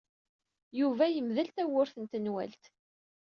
Yuba yemdel tawwurt n tenwalt.